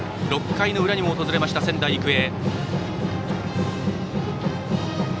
６回の裏にも訪れました仙台育英。